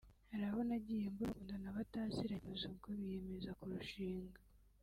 Hari abo nagiye mbona bakundana bataziranye kuza ubwo biyemeza kurushinga